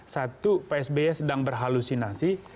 satu pak sby sedang berhalusinasi